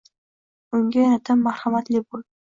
Unga yanada marhamatli bo'l